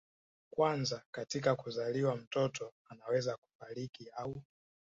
kwanza katika kuzaliwa mtoto anaweza kufariki au